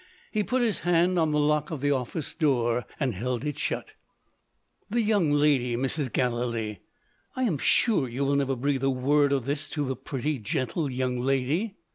He put his hand on the lock of the office door, and held it shut. "The young lady, Mrs. Gallilee! I am sure you will never breathe a word of this to the pretty gentle, young lady?